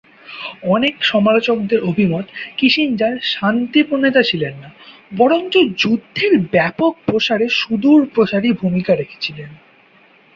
অনেক সমালোচকদের অভিমত, কিসিঞ্জার শান্তি প্রণেতা ছিলেন না; বরঞ্চ যুদ্ধের ব্যাপক প্রসারে সুদূরপ্রসারী ভূমিকা রেখেছিলেন।